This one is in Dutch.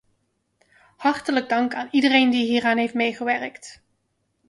Hartelijk dank aan iedereen die hieraan heeft meegewerkt.